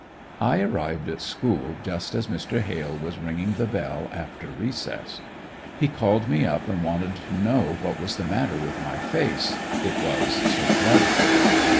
I arrived at school just as Mr. Hale was ringing the bell after recess. He called me up and wanted to know what was the matter with my face, it was so bloody.